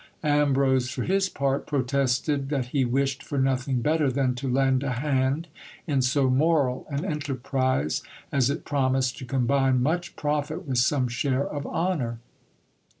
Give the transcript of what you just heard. Ambrose, for his part, protested that he wished for nothing better than to lend a hand in so moral an enterprise, as it promised to combine much profit with some share of honour.